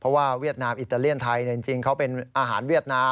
เพราะว่าเวียดนามอิตาเลียนไทยจริงเขาเป็นอาหารเวียดนาม